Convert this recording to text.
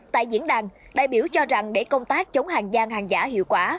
tại diễn đàn đại biểu cho rằng để công tác chống hàng giang hàng giả hiệu quả